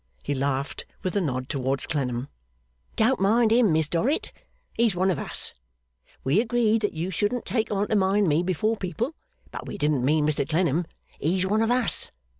He laughed, with a nod towards Clennam. 'Don't mind him, Miss Dorrit. He's one of us. We agreed that you shouldn't take on to mind me before people, but we didn't mean Mr Clennam. He's one of us.